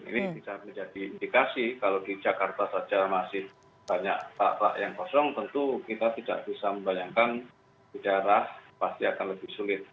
ini bisa menjadi indikasi kalau di jakarta saja masih banyak tak yang kosong tentu kita tidak bisa membayangkan udara pasti akan lebih sulit